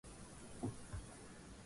Ukuaji wa Biashara